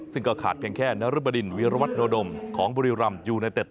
ซึ่งก็ขาดเพียงแค่นรบดินวิรวัตโนดมของบุรีรำยูไนเต็ด